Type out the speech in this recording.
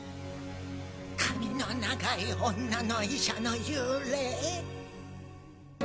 髪の長い女の医者の幽霊。